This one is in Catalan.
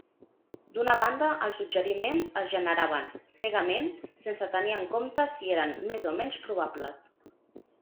D'una banda, els suggeriments es generaven “cegament”, sense tenir en compte si eren més o menys probables.